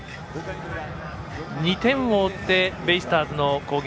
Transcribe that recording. ２点を追ってベイスターズの攻撃。